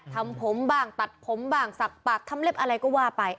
ทำผมบ้างตัดผมบ้างสักปากทำเล็บอะไรก็ว่าไป